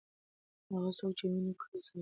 هغه څوک چې ونې کري ثواب ګټي.